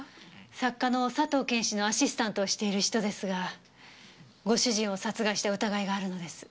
作家の佐藤謙氏のアシスタントをしている人ですがご主人を殺害した疑いがあるのです。